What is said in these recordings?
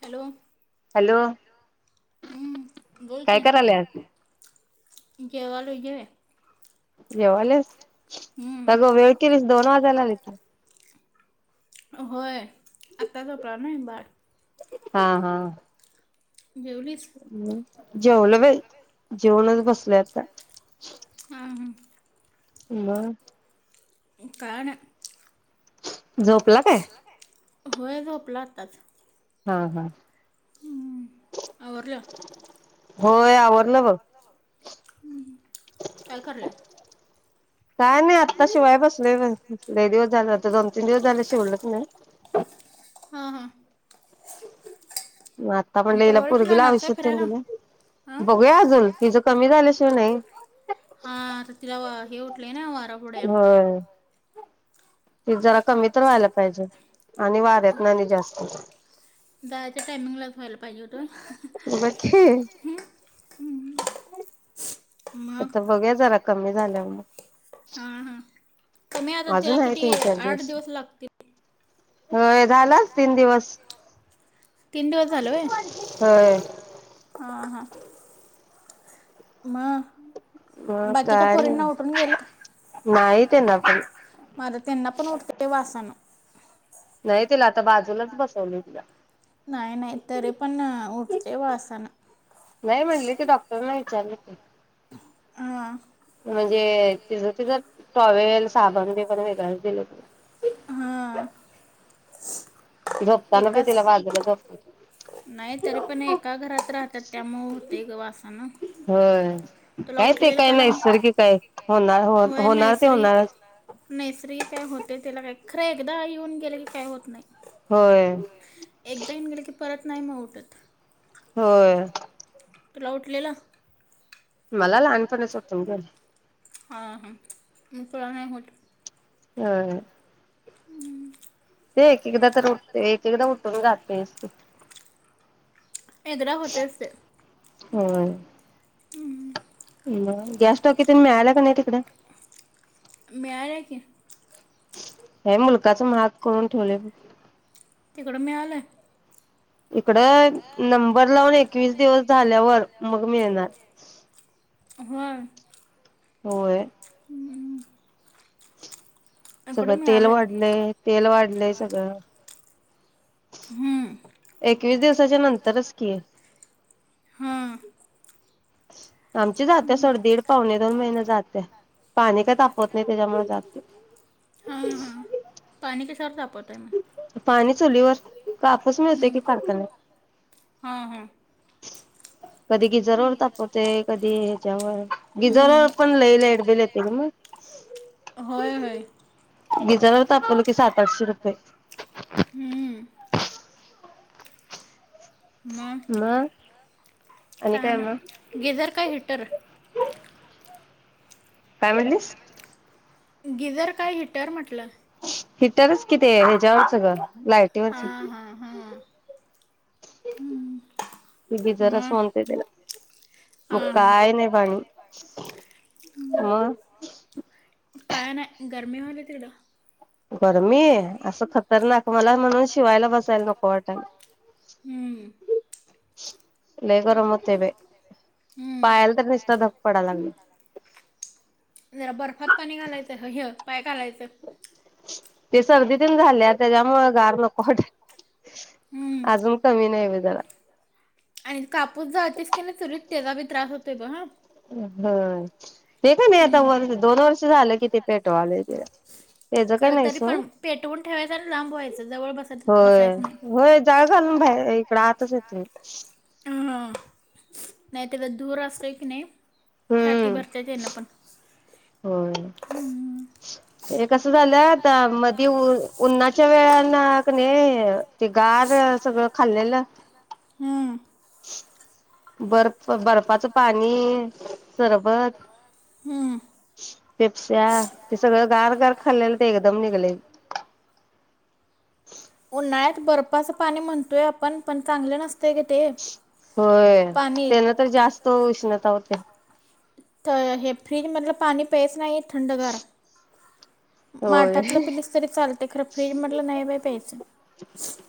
Hello hello हम्म काय करायल्यास जेवायलोय जेव ये जेवालेस? आता [unintelligible] केलीस दोन वाजायला आलीत. होय आता झोपला ना ए बाळ. हा हा. जेवलीस? हम्म जेवलो बय. जेवूनच बसलोये आता. हां हां म. काय नाय. झोपला काय? होय झोपला आत्ताच. हा हा. हम्म आवरल? होय आवरल बघ. काय करल्यास काय नाय आत ता शिवाय बसले व्हय लय दिवस झालं आता दोन तीन दिवस झाले शिवलंच नाय. हां हां [inaudible] म आता आणि म्हणलं हिला परवा दिवशी पोरगीला जाणारच आहे आवश्यक त्यां फिरायला तला हां बघूया अजून तिझ कमी झाल्याशिवाय नाही. हां आता तिला [unintelligible] [unintelligible] होय. ते जरा कमी तर व्हायला पाहिजे आणि वाऱ्यातन आणि जास्त जायच्या टायमिंगलाच व्हायला पाहिजे होतं [unintelligible] मग आता बघूया जरा कमी झाल्यावर हां हां कमी आता मग त्याला अजून आहे किती तीन चार आठ दिवस. लागतील होय झालं. तीन दिवस तीन दिवस झालं व्हय होय. म मग बाकीच्या काय नाही पोरींना उठून गेल, नाही त्यांना पण मग त्यांना पण उठते वासान. नाही तिला आता बाजूलाच बसवली तिला नाही नाही तरी पण उठते वासान. झालं कि. म्हणजे तिचं तिचं टॉवेल साबण बीब पण वेगळंच हां दिलेय. बी एकाच तिला बाजूला झोपवलं नाही तरी पण एका घरात राहतात त्यामुळे होते ग वासान. होय तुला काय ते उठलेल काय का लहान नैसर्गिक आहे होणार होय [unintelligible] होणार ते नैसर्गिक होणारच नैसर्गिक होते त्याला काय. खरे एकदा येऊन गेले की काही होत नाही. होय एकदा येऊन गेले की परत नाही म उठत. होय. तुला उठलेला? मला लहानपणीच उठुन गेल. हा ह म तुला नाही होत? या य ते एक-एकदा तर उठते एक-एकदा उठून जातयच ते. एकदा होतयच ते. होय. हम्म. मग गॅस टाकी तेनं मिळाल्या काय नाही तिकडं? के हे मुलकाच महाग करून ठेवले. तिकडं मिळालं? इकड नंबर लावून एकवीस दिवस झाल्यावर मग मिळणार. ह होय. होय. हं हं. सगळं तेल वाढलंय, तेल वाढलय सगळं. हम्म. एकवीस दिवसाच्या नंतरच की. हां [inaudible] आमची जात्या सोड दीड, पावणे दोन महिने जात्या. पाणी काय तापवत नाही त्याच्यामुळ जात्या. हां हां पाणी कशावर तापवत आहे मग पाणी चुलीवर कापूस मिळतोय हम्म. की कारखान्यात. हां हां कधी गिजरवर तापवतोय, कधी ह्याच्यावर हम्म. गिजरवर पण लई लाईटबिल येतय ग मग. होय होय गिजरवर तापवलं कि सात-आठशे रुपये. हम्म. मग आणि काय मग नाय गिझर काय हिटर? काय म्हणलीस? गिझर काय हिटर म्हटलं. हिटरच कि ते ह्याच्यावरच गं लायटीवरच. हां हां हां हम्म. ति बी जरच मग म्हणते त्याला मग हां हां काय नई बाई म काय नाही गरमी व्हायल्या तिकड. गरमी असं खतरनाक मला म्हणून शिवायला बसायला नको हम्म. वाटालय. [inaudible] लय गरम होतय बाई हम्म. पायाला तर नुस्त धग पडालागलीया. काय करायच? ते सर्दी तेन झाल्या त्याज्यामुळ गार नको वाटाय हम्म. अजून कमी नाय बाई जरा त्येचा बी त्रास होतोय ब हा [unintelligible] ते काय नाय आता हम्म. वर दोन वर्ष झालं की ते पेटवालोय तेला त्याच काय खरं नाई तरी सोड पण पेटवून ठेवायचं आणि लांब व्हायचं जवळ बसायचं होय बसायचं नाही होय जाळ घालून बा इकड आतच येत तेच हं नाय तर धूर असतोय की नय छाती हम्म. भरते तेन पण एक अस् झालंय आता मधी ऊ उन्हाच्या वेळा ना क नई ते गार सगळं खाल्लेलं हम्म. बर्फ बर्फा चं पा णी सरबत हम्म. पेप्स्या ते सगळं गार गार खाल्लेल ते एकदम निघलय. उन्हाळ्यात बर्फाचं पाणी म्हणतोय आपण पण चांगलं नस होय त्यांन तर जास्त उष्ण ता होतय. त हे फ्रीज मधलं पाणी प्यायच नाईत थंडगार होय. माठातल पिलीस तरी चालतय खरं फ्रीज मधलं नाही बाई प्यायचं.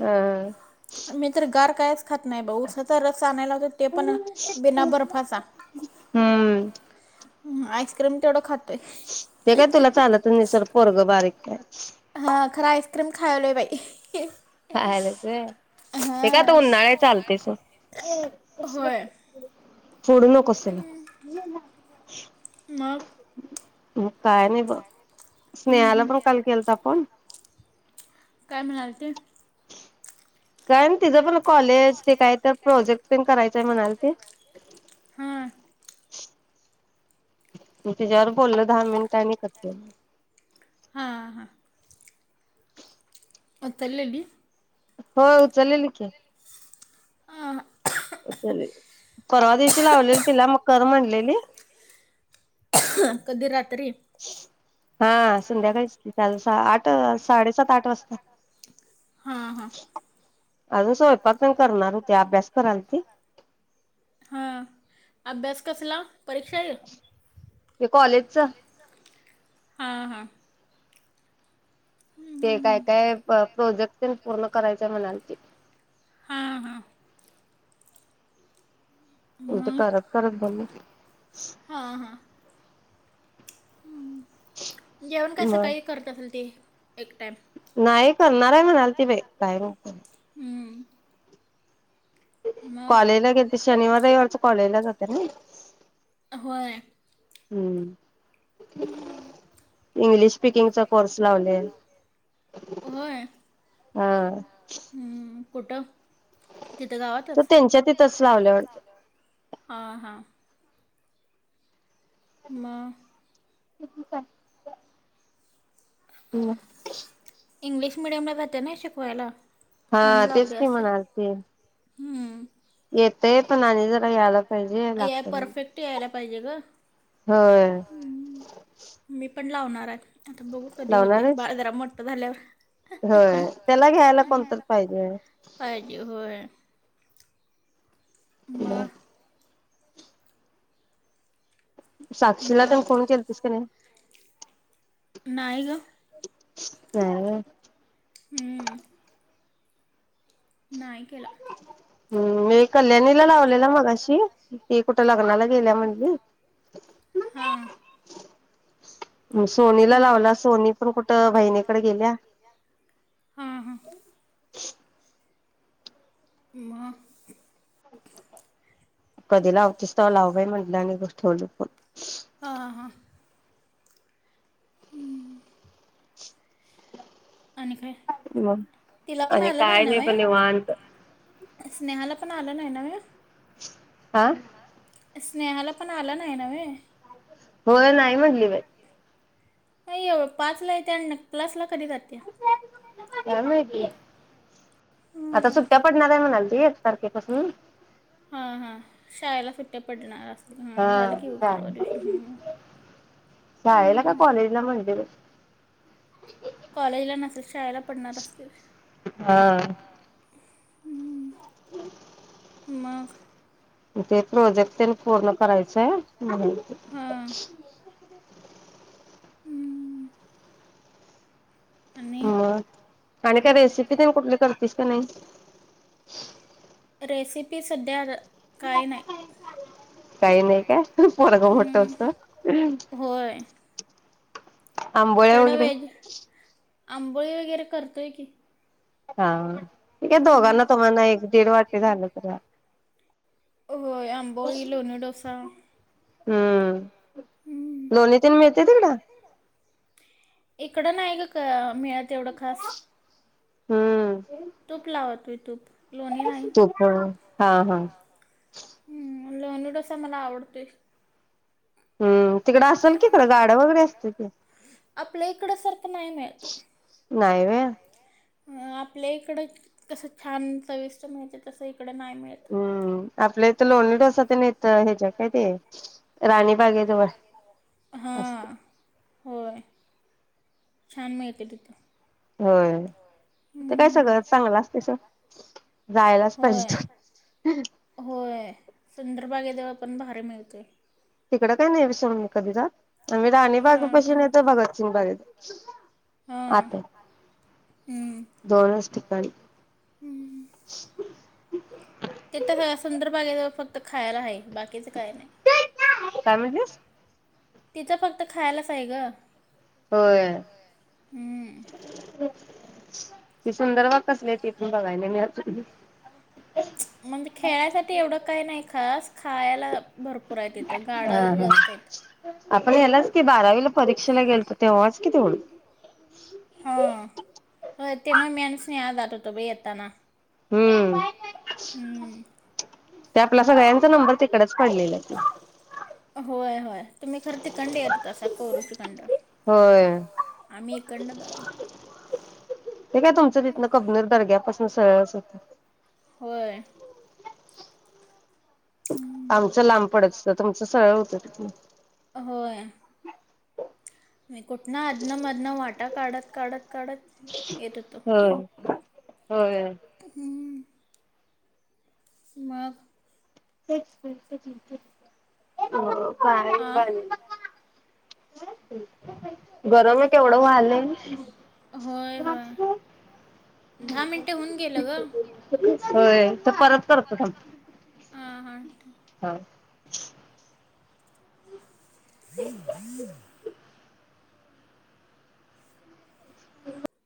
हा मी तर गार कायच खात नाय ब ऊसाचा रस आणाय लावतोय ते पण बिना बर्फाचा हम्म. हं आईस्क्रीम तेवढं खात ते काय तुला चालतच नाय सोर पोरग बारीक हाय हा खर आईस्क्रीम खायालोय बाई खायालीस व्हय ते काय आता हां उन्हाळा हाय चालतय सोड होय फोडू नकोस तेला मग मग काय नाय ब हं, स्नेहाला हं. पण काल केलता फोन काय म्हणालती? काय नाय तिचं पण कॉलेज ते काय तर प्रोजेक्ट तेंन करायचय म्हणालती. [inaudible] हां म त्येज्यावर बोललो दहा मिनिटं आणि कट केला. हां हां उचललेली होय उचललेली की अ हा उचलेली. परवा दिवशी लावलेली तिला मग कर म्हणलेली कधी रा रात्री हा संध्याकाळीच की काल सा आठ साडे सात-आठ वाजता. हां हां अजून स्वयंपाक तेन करणार हुती अभ्यास कराल ती हां अभ्यास कसला? परीक्षा आहे ये कॉलेजचं हा हा. ते काय काय प्रोजेक्टतेन पूर्ण करायचं हाय म्हणालती. हां हां हिथं मग करत करत बोलली हां हां जेवण काय मग सकाळी करत असल ती? नाही करणार हाय म्हणालती बाई. काय हम्म, मग कॉलेजला गेेलती. शनिवार, रविवारचं कॉलेजला जात्या नई. होय हुं. English स्पीकिंगचा course लावलीया. होय हा. हम्म, कुठं? तिथं ते गावातच त्यांच्या तिथचं लावल्या वाटतं हां हां मग? [unintelligible] हम्म! इंग्लिश मिडियमला जात्या नई शिकवायला हा म्हणून तेच लावली कि असेल म्हणालती हम्म, येतंय पण आणि जरा यायला पाहिजे, या लागतयं म्हणून परफेक्ट यायला पाहिजे गं होय. मी पण लावणारात. आता बघू कधी लावणार होतंय आहेस बाळ जरा मोठ झाल्यावर होय. त्याला घ्यायला कोणतर पाहिजे. होय पाहिजे म साक्षीला तेन मग फोन केलतीस की नइ? नाय गं. काय गं? हम्म, नाही. केलं हम्म. मी कल्याणीला लावलेला मगाशी, ती कुठं लग्नाला गेल्या म्हणली हां सोनीला लावला, सोनी पण कुठं बहिणीकडे गेल्या हां हां मग कधी लावतीस तेव्हा लाव बाई म्हंटलं आणि ठेवलो फोन. हां हां आणि काय मग तिला पण आणि आलं काय ना नाही बघ वय निवांत. स्नेहाला पण आलं नाही नव्हे. हा. स्नेहाला पण आलं नाही नव्हे. होय नाही म्हटली बाई. नाही एव पाचला येते आणि न क्लासला कधी जाते. काय माहिती? आता सुट्ट्या पडणार आहे म्हणालती एक तारखेपासून. हां हां शाळेला सुट्ट्या पडणार असतील हां हा झालं, की परवा शाळे दिवशी हम्म. शाळेला का कॉलेजला म्हणली बाई कॉलेजला नसेल शाळेला पडणार असतील. हा [inaudible] मग ते प्रोजेक्ट तेन पूर्ण करायचंय म्हणून. हां हम्म. आणि मग आणि काय रेसिपी ते कुठली करतीस काय नाही? [inaudible] रेसिपी सध्या अगं काही नाही काय पोरगं मोठं हम्म. असतो. होय आंबोळ्या तेवढं वगैरे वेज आंबोळी वगैरे करतोय की. हा. ठीक आहे दोघांना तुम्हाला एक दीड वाटी झालं तर होय आंबोळी, लोणी डोसा. हम्म. हम्म. लोणी तेन मिळतंय तिकडं? इकडं नाही ग काय मिळत एवढं खास. हम्म. तूप लावते तूप लोणी नाही. तूप हा हा हम्म, लोणी डोसा मला आवडतोय. हम्म तिकडं असेल कि खर गाड्या वगैरे असतील की. आपल्या इकडं सर. नाही व्हय. अ आपल्या इकडं कस छान चविष्ट मिळतंय तस इक हम्म, आपल्या इथं लोणी डोसा तने त ह्याच्या काय ते राणी बागेजवळ असत. हां होय छान मिळतील तिथं. होय. तिथं काय हम्म, सगळं चांगलंच असतय सोड जायलाच होय पाहिजे तेव होय सुंदरबागेजवळ पण भारी मिळतोय. तिकडं काय नाही आम्ही सोडून कधी जात. आम्ही राणीबागे पाशी हां नाहीतर भगतसिंग बागे हां आत हम्म. दोनच ठिकाणी. ते तर सुंदर बागे जवळ फक्त खायाला आहे बाकीच काय नाही. काय म्हणलीस? तिथं फक्त खायलाच आहे ग. होय. हम्म ती सुंदरबाग कसली ती पण बघाय नाई मि आजून. म्हणजे खेळायसाठी एवढं काही नाही खास. खायलं. भरपूर हाय तिथं गाडा जास्त आईत. न्हेलास की बारावीला. परीक्षेला गेलतं तेंव्हाच कि तेेवडं. हां होय, तेंव्हा मेन्सने आ जाततो बाई येताना. हम्म हम्म. ते आपला सगळ्यांचा नंबर तिकडच काडलेला आहे की. होय होय, तुम्ही खरं तिकंड येतासा कोरोचि कंड. होय. जात होतो ते काय तुमचं तिथनं कबनूर दर्ग्यापासून सरळच होतं. होय. आमचं लांब पडत स् तुमचं सरळं होतं तिथनं. होय मी कुठनं आधनं मधनं वाटा काढत काढत काढत हो, येत होतो होय, होय, होय. हम्म. मग तेच की आ [unintelligible] [unintelligible] [unintelligible] गरमं एक एवढं व्हालय, होय होय दहा मिनटे होऊन गेलं ग होय त परत करतो थांब. हां हां हां. [inaudible] [inaudible] [inaudible]